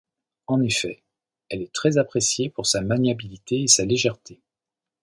En effet, elle est très appréciée pour sa maniabilité et sa légèreté.